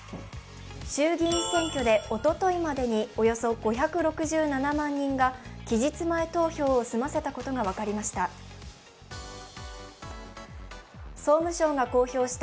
衆議院選挙でおとといまでに、５６７万人が期日前投票を済ませたことが分かりました。